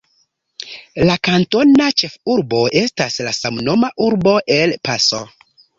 La kantona ĉefurbo estas la samnoma urbo El Paso.